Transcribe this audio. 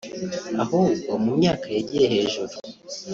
ahubwo mu myaka yegeye hejuru